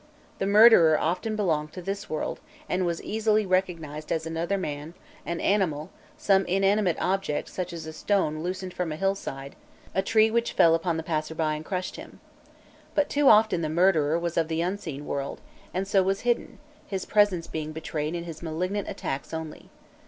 The murderer often belonged to this world, and was easily recognized as another man, an animal, some inanimate object such as a stone loosened from the hillside, a tree which fell upon the passer by and crushed him. But often too the murderer was of the unseen world, and so was hidden, his presence being betrayed in his malignant attacks only.